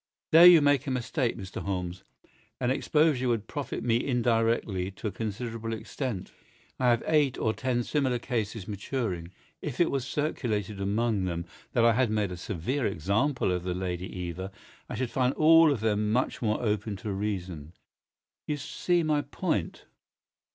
"There you make a mistake, Mr. Holmes. An exposure would profit me indirectly to a considerable extent. I have eight or ten similar cases maturing. If it was circulated among them that I had made a severe example of the Lady Eva I should find all of them much more open to reason. You see my point?"